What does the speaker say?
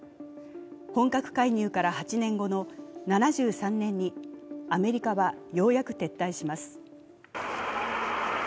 本格介入から８年後の７３年にアメリカはようやく撤退します。